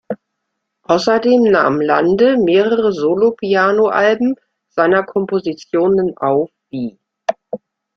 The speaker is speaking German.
Außerdem nahm Lande mehrere Solo Piano-Alben seiner Kompositionen auf, wie